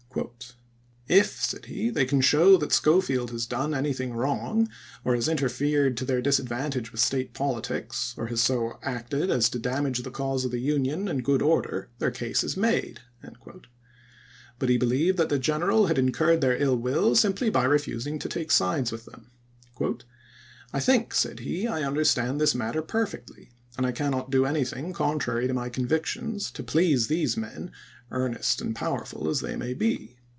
" If," said he, " they can show that Schofield has done anything wrong and has inter fered to theii* disadvantage with State politics, or has so acted as to damage the cause of the LTnion and good order, their case is made." But he be MISSOURI RADICALS AND CONSERVATIVES 215 lieved that the general had incurred their ill will chap.vih. simply by refusing to take sides with them. "I think," said he, " I understand this matter perfectly, and I cannot do anything contrary to my convic tions to please these men, earnest and powerful as they may be."